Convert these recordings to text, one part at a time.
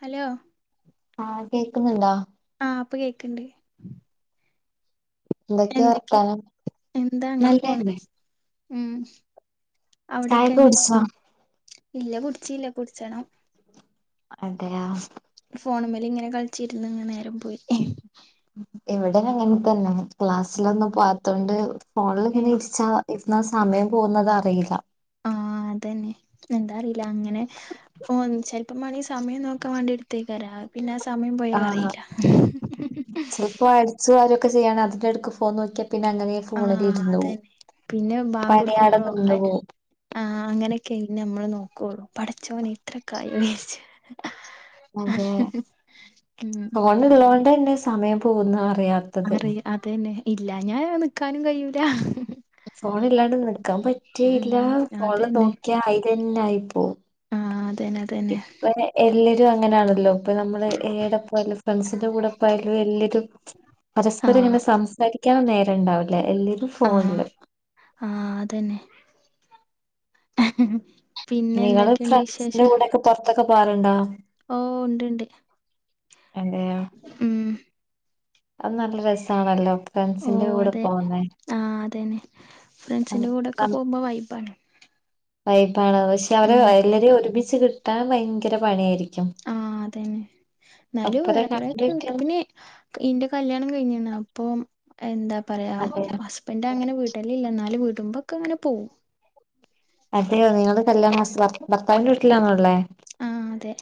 Hello ആ കേക്കുന്നുണ്ടോ ആ ഇപ്പം കേക്കണ്ടേ എന്തൊക്കെയാ എന്തൊക്ക വർത്താനം എന്താ അങ്ങനെ പോണ് നല്ലതന്നെ ഉം അവിടക്കെ ചായൊക്കെ ഇങ്ങനെ കുടിച്ചോ ഇല്ല കുടിച്ചില്ല കുടിച്ചണം അതെയാ ഫോണമേല ഇങ്ങനെ കളിച്ചിരുന്നു ഇങ്ങന നേരം പോയി എവിടന അങ്ങനെ തന്നെ ക്ലാസ്സിലൊന്നും പോവാത്തോണ്ട് ഫോണിൽ ഇങ്ങനെ ഏഹ് ഇരിച്ചാ ഇന്ന സമയം പോകുന്നുന്നത് അറിയില്ല ആ അതെന്നെ ന്താ അറിയില്ല അങ്ങനെ ചിലപ്പോ മാണേൽ സമയം നോക്കാൻ വേണ്ടി എടുത്തക്കാരം ആയ് പിന്നെ സമയം പോയാ ആഹ് അറിയില്ല ഒക്ക ചെയ്യണ് അതിനിടക്ക് ഫോൺ നോക്കിയാൽ പിന്നെ അങ്ങനെ ഫോണിൽ ആഹ് ഇരുന്ന് പോകും അതന്നെ പണിഅവിടെ നിന്ന് പോകും ആ അങ്ങനെ ഇനി നമ്മള് നോക്കുള്ളു പഠച്ചവന് ഇത്ര കായി വിച്ചാരിച്ച് അതെ ഉം അവിടെ പിന്നെ സമയം പോകുന്ന അറിയാത്തത് അറിയില്ല അതന്നെ ഇല്ല ഞാൻ നിക്കാനും കഴൂല ഫോൺ ഇല്ലാണ്ട് നിക്കാൻ ഉം പറ്റെയില്ല ഫോണില് അതന്നെ നോക്കിയാ അയിലെന്നെ ആയിപ്പോകും ആഹ് അതന്നെ അതന്നെ ഇപ്പ എല്ലാരും അങ്ങനെയാണല്ലോ ഇപ്പ നമ്മള് എടെപ്പായാലും ഫ്രണ്ട്സിന്റെ കൂടെപ്പയാലും എല്ലാരും പരസ്പരം ആഹ് ഇങ്ങനെ സംസാരിക്കാൻ നേരം ഉണ്ടാവില്ല എല്ലാരും ഫോണില് ആ അതന്നെ പിന്നെ നിങ്ങൾ എന്തൊക്കെയുണ്ട് ഫ്രണ്ടിൻസിന്റെ വിശേഷം കൂടെ പുറത്തൊക്ക പോകാറുണ്ടോ ഓ ഉണ്ട്ണ്ട് അതെയോ ഉം അത് നല്ല രസാണെല്ലോ ഓ ഫ്രണ്ട്സിന്റെ കൂടെ അതെ പോണ ആഹ് അതന്നെ ഫ്രണ്ട്സിന്റെ കൂടെ ഒക പോകുമ്പോ വൈബ് ആണ് വൈബ് ആണ് പക്ഷെ അവരെ എല്ലാരേയും ഒരുമിച്ച് കിട്ടാൻ ഭയങ്കര പണിയായിരിക്കും ആഹ് അതന്നെ എന്നാലും ഒപ്പരം വേറെ കൊറെ കണ്ടിട്ട് കിട്ടും പിന്നെ ഇന്റെ കല്യാണം കഴിഞ്ഞീണോ അപ്പം എന്താ പറയാ അതെയോ ഹസ്ബൻഡറ് അങ്ങനെ വിടൽ ഇല്ല എന്നാലും വിടുമ്പോക്കെ അങ്ങനെ പോകും അതെയോ നിങ്ങൾ കല്യാണം കഴിച്ചതാ ഭർത്താവിന്റെ വീട്ടിലാന്നോള്ളേ ആഹ അതെ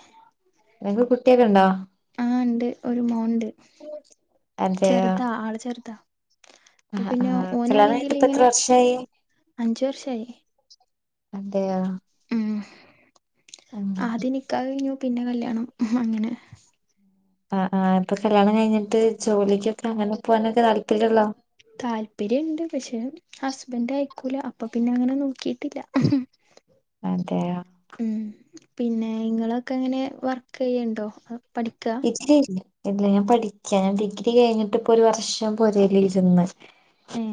നിങ്ങൾക് കുട്ടിയൊക്കെ ഉണ്ടോ ആഹ ഉണ്ട് ഒരു മോനുണ്ട് ചെറുതാ ആള് ചെറുതാ ആ അപ്പൊ ആ പിന്നെ കല്യാണം കഴിഞ്ഞിട്ട് ഓനാണെങ്കിൽ ഇപ്പ എത്ര ഇങ്ങനെ വർഷമായി അഞ്ചു വർഷായി അതെയ ഉ ആദ്യം നിക്കാഹ് കഴിഞ്ഞു പിന്നെ കല്യാണം അങ്ങനെ ആ ആ ഇപ്പൊ കല്യാണം കഴിഞ്ഞിട്ട് ജോലിക്കൊക്കെ അങ്ങനെ പോകാനൊക്കെ താല്പര്യം താല്പര്യമുണ്ട് പക്ഷെ ഹസ്ബൻറ് സമ്മതിക്കൂല അപ്പൊ പിന്നെ അങ്ങനെ നോക്കിട്ടില്ല അതെ ഉം പിന്നെ ഇങ്ങളൊക്കെ അങ്ങനെ വർക്ക് ചെയ്യുന്നുണ്ടോ ഇല്ലല്ല ഇല്ല ഞാൻ പഠിക്ക ഞാൻ ഡിഗ്രി കഴിഞ്ഞിട്ട്പ്പൊ ഒരു വർഷം പോരേൽ ഇരുന്ന് ഏ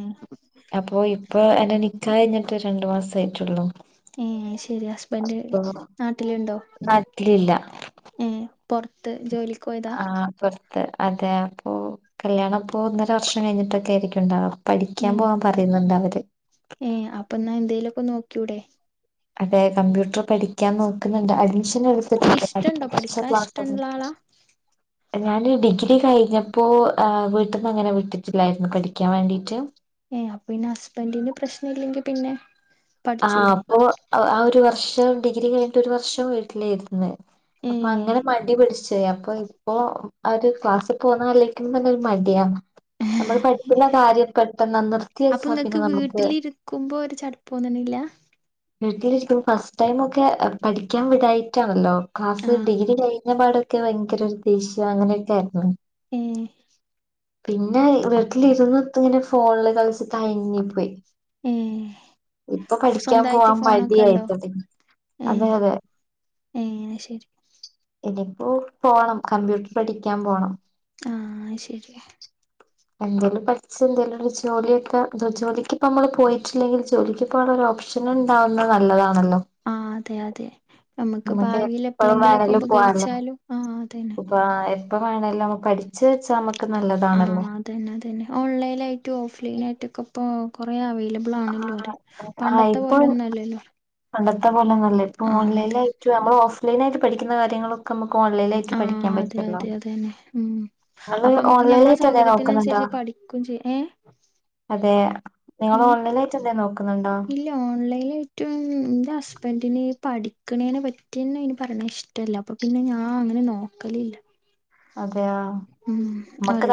അപ്പൊ ഇപ്പൊ എന്റെ നിക്കാഹ് കഴിഞ്ഞിട്ട് രണ്ടു മാസം ആയിട്ടുള്ളൂ ഏ ശരി ഹസ്ബൻഡ് നാട്ടിലുണ്ടോ നാട്ടിലില്ല ഏ പുറത്ത് ജോലിക്ക് പോയതാ അത അതെ അപ്പൊ കല്യാണ ഇപ്പോ ഒന്നര വർഷം കഴിഞ്ഞിട്ടൊക്കെ ആയിരിക്കും ഉണ്ടാവുക പഠിക്കാൻ ഏ പോവാൻ പറയുന്നുണ്ട് അവര് ഏ അപ്പൊ എന്നാ എന്തേലുമൊക്കെ നോക്കൂടെയേ അതെ കമ്പ്യൂട്ടർ പഠിക്കാൻ നോക്കുന്നുണ്ട് അ ഇഷ്ടണ്ടോ പഠിക്കാൻ ഇഷ്ടള്ള ആളാ [unintelligible] ഞാാന് ഡിഗ്രി കഴിഞ്ഞപ്പോ വീട്ടിൽന്ന അങ്ങനെ വിട്ടിട്ടില്ലായിരുന്നു പഠിക്കാൻ വേണ്ടിട്ട് ഏയ് അപ്പൊ പിന്നെ ഹസ്ബൻഡറിന്റെ പ്രശ്നം ഇല്ലെങ്കിൽ പിന്നെ ആഹ പഠിച്ചൂടെ അപ്പൊ ആ ഒരു വർഷം ഡിഗ്രി കഴിഞ്ഞിട്ട് ഒരു വർഷം വീട്ടിലിരുന്ന് ഏ അപ്പൊ അങ്ങനെ മടി പിടിച്ചു അപ്പൊ ഇപ്പൊ ഒരു ക്ലാസ്സിൽ പോവുന്ന ആലോചികുമ്പോ തന്നെ ഒരു മടിയാണ് നമ്മൾ പഠിക്കുന്ന കാര്യം പെട്ടെന്ന് നിർത്തി അപ്പൊ വെച്ചാ പിന്നെ നമുക്ക് പോന്നണില്ല വീട്ടിിരിക്ക ഫസ്റ്റ് ടൈം ഒക്കെ പഠിക്കാൻ വിടതായിട്ടാണല്ലോ ആ ക്ലാസ് ഡിഗ്രി ക കഞ്ഞ പാടൊക്കെ ഭയങ്കര ഒരു ദേഷ്യം അങ്ങനെയൊക്കൊയിയിരുന്നു ഉം പിന്നെ വീട്ടില ഇരുന്ന്ൊത്ത്ങ്ങനെ ഫോണില് കളിച്ച മായഞ്ഞി പോയി ഉം ഇപ്പൊ പഠിക്കാൻ പോവാൻ മതിയായിട്ടതി ഏ അതെ അതെ ഏ ശരി ഓ പോണം കമ്പ്യൂട്ടർ പഠിക്കാൻ പോണം ആഹ ശരിയ എന്തേലും പഠ എന്തേലും ഒരു ജോലിയൊക്കെ ജോലിക്ക് ഇപ്പ നമ്മള് പോയിട്ടില്ലെങ്കിൽ ജോലിക്ക്ിപ്പോള്ള ഓപ്ഷൻ ഉണ്ടാവുന്നത് നല്ലതാണ് ആഹ അതെ അതെ നമുക്ക് ഭാവിൽ എപ്പഴും എപ്പഴെങ്കിലുംൊക്കെ വേണേലും പോവാലോ ഉപകരിച്ചാലും ആഹ അതന്നെ ഇപ്പ വേണല്ലോ നമ്മ പഠിച്ച് നമുക്ക് ആഹ നല്ലതാണല്ലോ അത തന്നെ അത തന്നെ ഓൺലൈൻ ആയിട്ടും ഓഫ്ലൈൻ ആയിട്ട ഒക്കെ ഇപ്പ കൊറ ആവേശ ലബിൾ ആണല്ലോ അ ആഹ് പണ്ടത്തെ ഇപ്പൊ പോലെ ഒന്നും അല്ലല്ലോ പണ്ടത്തെ പോലെന്നല്ല ഇപ്പ ആഹ് അതെ ഓൺലൈൽായിട്ട് നമ്മൾ ഓഫ്ലൈനായിട്ട് പഠിക്കുന്ന കാര്യങ്ങളൊക്കെ നമുക്ക് ഓൺലൈനായിട്ട് ആഹ് പഠിക്കാൻ അതെ അതെ പറ്റല്ലോങ്ങ അതന്നെ ഉം ങ്ങള് ഓൺലൈനായിട്ടെ നോക്കുന്നുണ്ടോ കുച് ഏ അതെ നിങ്ങൾ ഉം ഓൺലൈനായിട്ട് എന്തേലും നോക്കുന്നുണ്ടോ? ഇല്ല ഓൺലൈനായിട്ട് ന്റെ ഹസ്ബൻഡ്ന് പഠിക്കണേനെ പറ്റിന്നെ ഇനി പറഞ്ഞ ഇഷ്ടല്ല അപ്പൊ പിന്നെ ഞാൻ അങ്ങനെ നോക്കലില്ല അതെയ ഉര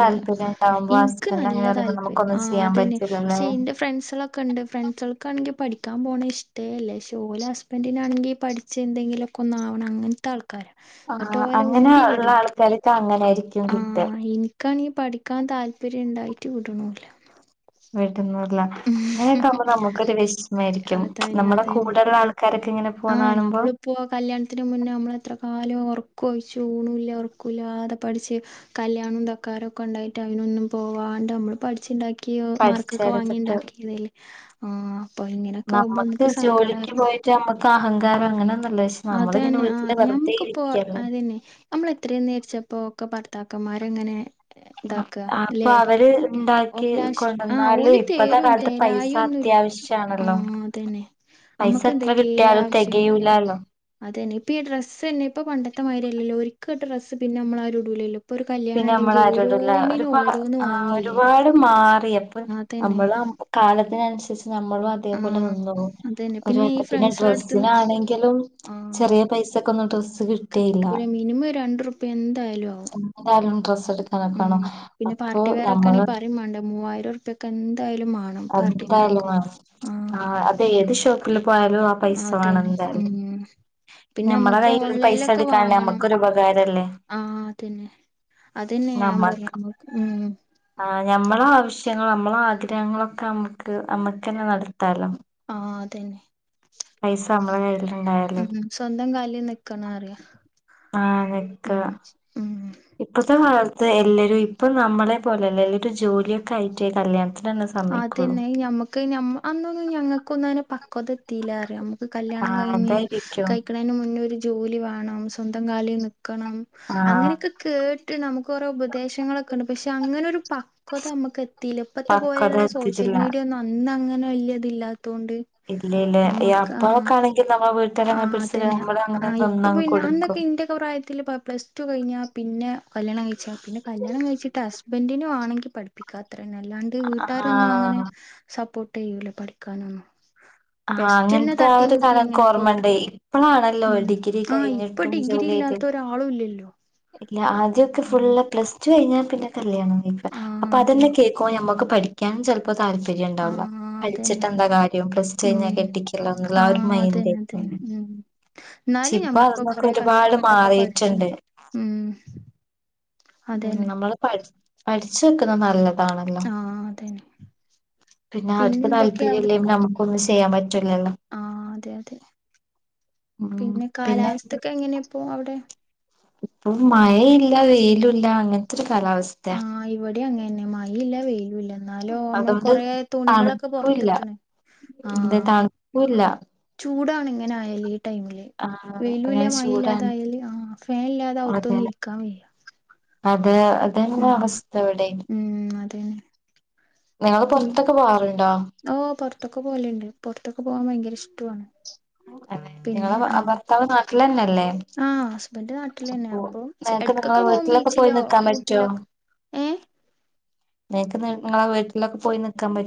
എനിക്ക് ഹസ്ബൻഡ് നല്ല അങ്ങനെ പറയുമ്പോ താല്പര്യം ആ നമുക്കൊന്നും ചെയ്യാൻ അതന്നെ പറ്റൂലല്ലേ? പക്ഷെ എന്റെ ഫ്രണ്ട്സ് ക്കെണ്ട് ഫ്രണ്ട്സൾക്കാണെങ്കി പഠി ക്കാൻ പോകണ ഇഷ്ട ല്ലേ പക്ഷെ ഓലെ ഹസ്ബൻറിനാണെങ്കിൽ പഠിച്ചച്ച് എന്തെലൊക്കെ ഒന്നാവണം അങ്ങനത്തെ ആൾക്കാരാണ് ആ അങ്ങനെ ഇള്ള ആൾക്കർക്ക അങ്ങനെ ആഹ് ഇനിക്കാണെ പഠിക്കാൻ താല്പര്യം ഉണ്ടായിട്ട് വിടണില്ല വീട്ടന്നൂർല്ല അങ്ങനെയൊക്കെ ആുമ്പോൾ നമുക്കൊരു വെഷ്മായിരിക്കും അതന്നെ നമ്മുടെ അതന്നെ കൂടെ ഉള്ള ആൾക്കാരൊക്കെ ഇങ്ങനെ പോകുന്ന ആഹ് കാണുമ്പോ നഞമ്മളിപ്പോ കല്യാണത്തിന് മുന്നേ നമ്മ എത്ര കാലം ഓ റക്കഴിച്ചു ഊണില്ല ഉറക്കൂില്ലാതെ പഠിച്ച് കല്യാണവും തക്കാര ഒക്കെ ഉണ്ടായിട്ട് അനൊന്നും പോവാ ആണ്ട് നമ്മള് പഠിച്ചുണ്ടാക്കി മർക്കൊക്കെ വാങ്ങി പഠിച്ചെടുത്തിട്ട് ഉണ്ടാക്കിയതേല്ലേ ആ അപ്പൊ ഇങ്ങനൊക്കെ ആകുമ്പോ നമുക്ക് സങ്കടം കഹങ്കാരം അതന്നെ ആ ഞമ്മുക്കിപ്പോ ഇരിക്കല്ലേ അതന്നെ നമ്മൾ എത്രയും നേരിച്ചപ്പോ ഒക്കെ പറ ത്താക്കന്മാർങ്ങനെ ആ ഇതാക്ക അപ്പൊ അല്ലെ അവര് ഉണ്ടാക്കി ഓലാശം ആ കൊണ്ടുവന്നാല് ഓല് ഇപ്പത്തെ തെരും കാലത്ത് പൈസ തേരായൊന്നുല്ല ആ അത്യാവശ്യാണല്ലോ അതന്നെ പൈസ അമ്മക്ക് എത്ര എന്തൊക്കെയ കിട്ടിയാലും ആവശ്യങ്ങൾ തികയൂലാലോ അതന്നെ ഇപ്പൊ ഈ ഡ്രസ്സ് ന്നെ ഇപ്പൊ പണ്ടത്തെ മതിരില്ലോ ഒരിക്കും ഡ്രസ്സ് പിന്നെ നമ്മളരും ഇടുലല്ലോ പിന്നെ നമ്മൾ ആരോടുള്ള ഒരുപ ഓരോന്ന് വാങ്ങില്ലേ ഒരുപാട് മാറി പ്പ അതന്നെ നമ്മള് കാലത്തിനന നമ്മളും അതേ പോലെ ആഹ് വന്ന്ണു. അതന്നെ പിന്നെ ഈ [unintelligible] ഫ്രണ്ട്സളെ അടുത്ത്ന്ന് ട്രസ്സിനാണെങ്കിലും ചെറിയ പൈസ ക്കന്ന് ഡ്രസ് ക മിനിമം രണ്ടർപ്യ എന്തായാലും ആവും എന്തായാലും ഡ്രസ്സ് എടുക്കാനൊക്കെ ഉം ആണോ പിന്നെ അപ്പൊ പാർട്ടി വെയർ ഒക്കെയാണെ നമ്മള് പറയും വേണ്ട മൂവായിരം ഉറുപ്പ്യൊക്കെ എന്തായാലും മാണം പാർട്ടി വെയർ അതെന്തായാലും ഒക്കെ വേണം ആ ആഹ് അതെ ഏത് ഷോപ്പിൽ പോയാലും ആ പൈസ വേണം അതന്നെ എന്തായാലും ഉം പിന്നെ നമ്മുടെ നമ്മുക്ക് കയ്ൽ പൈസ ഓൺലൈനിലൊക്കെ ഇണ്ടായല് വാങ്ങണം നമുക്കരുപക രല്ലേ ആഹ് അതന്നെ അതന്നെ ഞാൻ നമ്മക്ക് പറയമ്പോക് ഉം. ഞമ്മളെ ആവശ്യങ്ങൾ നമ്മളെ ആഗ്രഹങ്ങളൊക്കെ നമുക്ക് നമ്മുക്ക് തന്നെ നടത്താലൊ. ആഹ് അതന്നെ. പൈസ നമ്മള കയ്ല്ല. ഉം സ്വന്തം കാലിൽ നിക്കാനു അറിയാ. ആ നക്ക ഇപ്പത്തെ കാലത്ത് എല്ലെ ഒരു ഇപ്പം നമ്മളെ പോലെല്ലെ ഒരു ജോലിയൊക്കെ ആയിട്ട് കല്യാണം. അതന്നെ ഞമ്മക്ക് അന്നൊന്നും ഞങ്ങക്ക് ഒന്നും പക്വത എത്തില്ല അറിയാം. കല്യാണം ആഹ് കഴിഞ്ഞ് അതായിരിക്കും കഴിക്കണന് മുന്നേ ഒരു ജോലി വേണം സ്വന്തം കാലെ ക്കണം ആഹ് അങ്ങനെയൊക്കെ കേട്ട് നമുക്ക്റേ ഉപദേശങ്ങളൊക്കെ ഉണ്ട് പക്ഷെ അങ്ങനെ ഒരു പക്വത നമുക്ക് എത്തിയില്ല ഇപ്പത്തെ പക്വത പോലെയുള്ള സോഷ്യൽ എത്തിട്ടില്ല മീഡിയ ഒന്നും അന്ന് അങ്ങനെ വല്ല്യ ഇത് ല്ലാ ഇല്ല ഇല്ലേ ഈ അപ്പക്ക ആണെങ്കിൽ നമ്മൾ ആ അതന്നെ ആ ഇപ്പൊ പിന്നെ അന്നൊക്കെ കൊടുക്കും ഇന്റെയൊക്കെ പ്രായത്തില് പ്ലസ് ടു കഴിഞ്ഞാ പിന്നെ. കല്യാണം കഴിച്ച പിന്നെ കല്യാണം കഴിച്ചിട്ട് ഹസ്ബൻഡിനു ആണെങ്കിൽ പഠിപ്പിക്കാത്ത. പിനല്ലാണ്ട് വീട്ടുകാരൊന്നും അങ്ങനെ ആഹ് സപ്പോർട്ട് ചെയ്യൂല പഠിക്കാനൊന്നും. ആ പ്ലസ് ടു തന്നെ അങ്ങനത്തെ തട്ടിയും ഒരു മുട്ടിയും കലം എങ്ങനെയൊക്കെ ക്കോർമ്മണ്ടേ വിടണ് ഇപ്പള ല്ലോ ഉം ഡിഗ്രി ആഹ് ഇപ്പൊ കഴിഞ്ഞിട്ടും ഡിഗ്രി ജോലിയില്. ഇല്ലാത്ത ഒരാളും ഇല്ലല്ലോ ഇല്ല ആത്യൊക്കെ ഉം ഫുള് പ്ലസ് ടു കഴിഞ്ഞാൽ പിന്നെ കല്യാണം നിക്കുക അപ്പൊ അതന്നെ കേൾക്കോ നമ്മുക്ക് പഠിക്ക ക്യാനും ചെൽപ്പോ താല്പര്യം ഉണ്ടാവുല. ആഹ് പഠിച്ചിട്ട് അതന്നെ എന്താ കാര്യം പ്ലസ് ടു കയിഞ്ഞ ഉം കെട്ടിക്ക്ള്ളൊന്ന് ഉള്ള ആ ഒരു ആഹ് മൈൻഡെ. അതന്നെ അതന്നെ ഉം ശി എന്നാലും പ്പ ഞമ്മളൊക്കെ അതൊന്ന്ക്ക കൊറേ ഒരുപാട് കഷ്ടപ്പെട്ടൊക്കെ പഠിച്ച്ണ് മാറിയിട്ടുണ്ട് ഉം ഉം അതന്നെ നമ്മള് പഠി പഠിച്ചു വെക്കുന്ന. താണല്ലോ ആഹ് അതന്നെ പിന്നെ അവർക്ക് താല്പര്യം ഇല്ലെ നമുക്കൊന്നും ചെയ്യാൻ പ ആഹ് അതെ അതെ പിന്നെ കാലാവസ്ഥക്കെ എങ്ങനെയിപ്പോ അവിടെ? ഇപ്പം മഴയില്ല വെയിലുല്ല അങ്ങനത്തെ ഒരു കാലാവസ്ഥയാ. ഇവടിം അങ്ങെനെന്നെ. മയീല്ല വെയിലൂല്ല. ഇന്നാലോ നമ്മൾ അതുകൊണ്ട് കൊറേ തുണികളൊക്കെ തണുക്കൂല്ല പുറത്തിട്ട്ണ്. എന്ത് [unintelligible] ചൂടാണ് ഇങ്ങനായാല്. ടൈമിൽ ആഹ് അങ്ങനെ വൈലൂല്ല മയി ചൂടാണ് ഇല്ലാതായാല് ആ ഫാൻ ഇല്ലാതെ അതെ അകത്തൊന്നും ഇരിക്കാൻ വയ്യ. അത് അതന്നാ ഉം അവസ്ഥ ഇവിടേം. ഉം അതന്നെ ഓ പൊറത്തൊക്കെ പോവുല്ണ്ട്. പൊറത്തൊക്കെ പോവാൻ ഭയങ്കര ഇഷ് ട്ടു ആണ് അല്ലെ നിങ്ങള ഭർത്താവ് നാട്ടിലാന്നെല്ലേ. ആ ഹസ്ബൻഡ് നാട്ടിലന്നെ അപ്പൊ [unintelligible] നിങ്ങള എടക്കൊക്കെ പോവും വീട്ടിലൊക്കെ പോയി ബീച്ചിലോ നിക്കാൻ പറ്റോ? ഊട്ടിലൊക്കെ ഏ നിക്ക് നിങ്ങളെ വീട്ടിലൊക്കെ പോയി നിക്കാൻ പ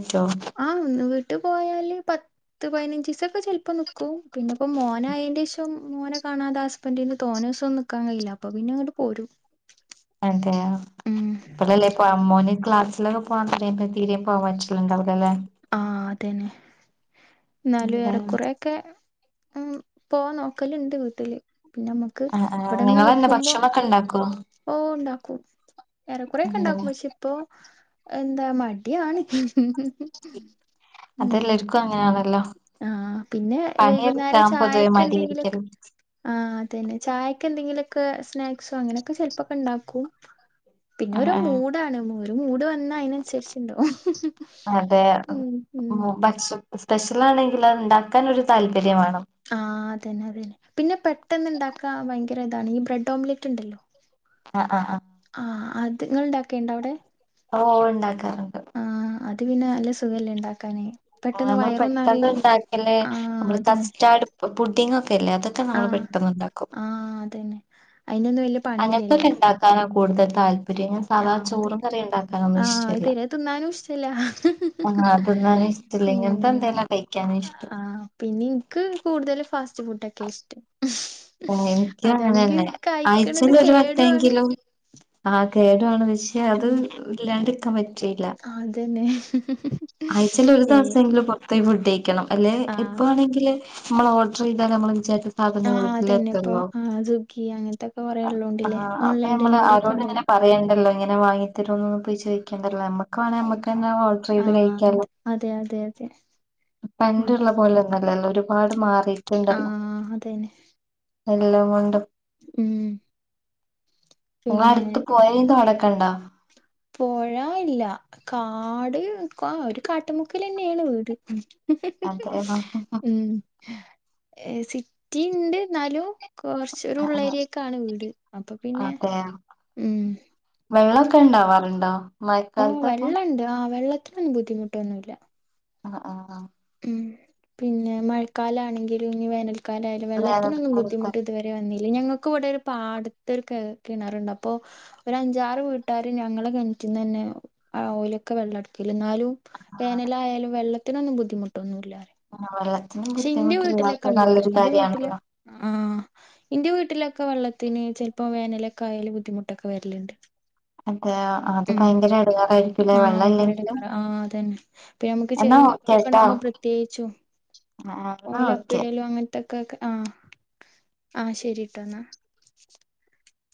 ആഹ് ഒന്ന് വീട്ട് പോയാല് പത്ത് പതിനഞ്ജീസക്കെ ചെൽ പ്പ നിക്കും പിന്നെപ്പ മോനായെന്റെശ മോനെ കാണാതെ ഹസ്ബൻന്റിന് തോനേസൊന്നും നിക്കാൻ കഴിയില്ല അപ്പൊ പിന്നെ ങ്ങട്ട് പോരും. അതെയൊ ഉം ഇപ്പളല്ലേ ഇപ്പ അമ്മോൻ ക്ലാസിലൊ [unintelligible] തീരെ പോവാൻ പറ്റലുണ്ടാവൂല ലേ ആഹ് അതന്നെ ഇന്നാലു അതെ ഏറെക്കുറേയൊക്കെ. ഉം പോവാൻ നോക്കല്ണ്ട് വീട്ടില്. പിന്നെ നമ്മക്ക് ആഹ് ആഹ് ഇവിടെങ്ങനെ നിങ്ങളന്നെ നിക്കുമ്പോ. ഭക്ഷണൊക്കെ ഇണ്ടാക്കോ ഓ ഉണ്ടാക്കും ഏറെക്കുറേക്കെ അതെ ഉണ്ടാക്കും പക്ഷേ ഇപ്പൊ. എന്താ മടിയാണ്. ഉം അതെല്ലരിക്കും അങ്ങനെയാണല്ലോ? ആഹ് പിന്നെ വൈകുന്നേരം പണിയെടുക്കാൻ പൊതുവെ മടിയായിരിക്കൽ. ചായക്കെന്തെങ്കിലൊക്കെ ആഹ് അതെന്നെ ചായക്ക് എന്തെങ്കിലു ഒക്കെ സ്നാക്സോ അങ്ങനൊക്കെ ചെലപ്പൊക്കണ്ടാക്കും. പിന്നെ ആഹ് ഒരു ആഹ് മൂടാണ് ഒരു മൂട് വ ന്ന അയ്നൻസരിച്ഛ് ണ്ടാവു ഉം ഉം. സ്‌പെഷലാണെങ്കിൽ അഹ്ണ്ടാക്കാനൊരു താല്പര്യം വേണം ആ അതന്ന അ തന്നെ പിന്നെ പെട്ടെന്ന്ണ്ടാക്കാ ഭയങ്കര ഇതാണ് ഈ ബ്രെഡ് ഓംലെറ്റ് ഇണ്ടല്ലോ അഹ് അഹ് അഹ് ആ അത്ങ്ങൾ ണ്ടാക്കൽണ്ടാ ഔ ടെ ഒ ഒ ണ്ടാക്കാർണ്ട് അത് പിന്നെ നല്ലസുഖല്ലേണ്ടാക്കാന് ആ നമ്മള് പെട്ടെന്ന്ണ്ടാക്കല്ലെ ആഹ് നമ്മള് അതന്നെ കസ്റ്റാർഡ് പുഡ്ഡിംഗ്ഒ ല്ല അതൊക്കെ നമ്മള് ആഹ് പെട്ടെന്നുണ്ടാക്കും ആഹ് അതന്നെ അയിനൊന്നും വല്യ പണിയില്ലല്ലോ അങ്ങനതൊക്കെണ്ടാക്കാനാ കൂടുതൽ താൽ ആഹ് അദ് [unintelligible] ആ ഇഷ്ടല്ല -തീരെ തിന്നാനും ഇഷ്ട്ടല്ല ഹ് ഹ് ഹ് ആഹ് അതൊന്നും ഇഷ്ടല്ല ഇങ്ങനത്തെ ഉം എന്തേലും കഴിക്കാനാ ഇഷ്ടം ആഹ് പിന്നെ ഇൻക്ക് കൂടുതൽ ഫാസ്റ്റ് ഫുടൊക്കെ ഇഷ്ടം ഹ് [inaudible] ഒഹ് ഇനിക്കുംഅങ്ങനെന്നെ ആഴ്ചയിൽ കേടുവാണ് ഒരുവട്ടെങ്കിലും ആഹ് കേടാണ് പക്ഷേ അത് ഉം ഇല്ലാണ്ടിരിക്കാ പ ചില്ല അതന്നെ ആഴ്ചൽ ഏ ഒരുദിവസങ്കിലും പൊ ത്തെ ഫുഡയിക്കണം അല്ലെ ആഹ് എപ്പോവേണെങ്കിൽ നമ്മൾ ഓർഡർചെയ്തൽ നമ്മൾ വിചാരിച്ച സാധനങ്ങൾ ആഹ് ലെ അതന്നെ ഇപ്പൊ ത്തിന്നോ ആഹ് സ്വിഗ്ഗി അങ്ങനത്തൊക്കെ കൊറേ അഹ് ഉള്ളോണ്ടില്ലേ ആഹ് അപ്പൊ ഓൺലൈൻ നമ്മള് ഡെലിവറി ഒക്കെ അവരോട് ഇങ്ങനെ ഉണ്ടല്ലോ പറയേണ്ടല്ലോ അങ്ങനെവാങ്ങിത്തരോനൊന്നും പൊയി ചോയിക്കണ്ടല്ലോനമ്മക്ക് വേണേൽ നമ്മക്ക് ന്നെ ഓഡർ ചെയ്ത് ആഹ് കഴിക്കാലോ അതെ അതെ അതെ ഉം പണ്ടുള്ള പോലൊന്നും അല്ലല്ലോ ഒരു പാട് മാറി ആഹ് അതെന്നെ എല്ലം കൊണ്ടും മ് ങ്ങളട്ത് പൊയേം തോടക്കണ്ടൊ പോഴ ഇല്ല കാട് ആ ഒരു കട്ടമുക്കിലെന്നേണ് വീട് അതെ ഏഹ് സിറ്റി ണ്ട്ന്നാലും കൊറച്ചൊരു ഉള്ളേര്യക്കാണ് വീട് അപ്പൊ പിന്നെ മ് വെള്ളൊക്കെ ണ്ടാവാറുണ്ടോ ഓ വെള്ളണ്ട് ആ വെള്ളത്തിനൊന്നും ബുദ്ധിമുട്ടൊന്നുല്ല. അ ആ ഉം പിന്നെ മഴക്കാലാണെങ്കിലും ഞ് വേനൽ കാനാലായാലും വെള്ളത്തിനൊന്നും വേനൽക്കാലത്തൊക്കെ ബുദ്ധിമുട്ട് ഇത് വരെ വന്നി [unintelligible] ഞങ്ങൾക്ക് ഇവിടെ ഒരു പാടത്തൊരു കെ കിണറുണ്ട് അപ്പൊ ഒരു അഞ്ചാറ് വീട്ടാരും ഞങ്ങളു കഴി റ്റ്ന്നന്നെ ആ ഓലൊക്കെ വെള്ളടക്കൽ ന്നാലും ആഹ് വേനലായയാലും വെള്ളത്തിനൊന്നും ബുദ്ധിമുട്ടൊന്നുല്ല. ആ വെള്ളത്തിന് ക്ഷെ ഇന്റെ വീട്ടിലൊക്കെ ബുദ്ധിമുട്ടില്ലാത്ത ണ്ട്ട്ടോ നല്ലൊരു ന്റെ വീട്ടിൽ കാര്യമാണല്ലോ ആ ന്റെ വീട്ടിലൊക്കെ വെള്ളത്തിന് ചെല്പ്പോ വേനലൊക്കെ ആയാൽ ബുദ്ധിമുട്ടൊക്കെ വെര്ൽണ്ട് എഹ് അത് ഭയങ്കര എടങ്ങാറായി ഉം ആഹ് ഭയങ്കര എടങ്ങാറാ ആ അതന്നെ പ്പൊ ഞമ്മക്ക് എന്നാ ചെറിയ ഓക്കെട്ടോ കുട്ട്യേളെക്കെണ്ടാകുമ്പോ പ്രതേഹിച്ചും ആ എന്നാ ഓക്കെ ഓലപ്പിടലും അങ്ങൻത്തെ കാക്ക ആഹ് ആഹ് ശെരിട്ടോന്ന